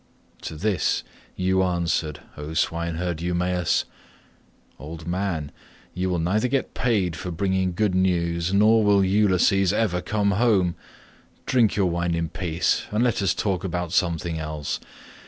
To this you answered, O swineherd Eumaeus, "Old man, you will neither get paid for bringing good news, nor will Ulysses ever come home; drink your wine in peace, and let us talk about something else.